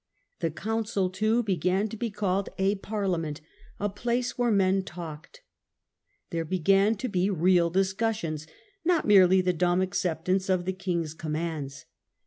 The council, too, began to be called a Parliament, * a place where men talked '. There begaq ^0 PETITION OF THE BARONS. ^ to be real discussions — not merely the dumb acceptance of the king's commands.